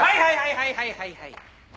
はいはいはいはい。